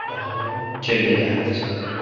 چے°بیل۔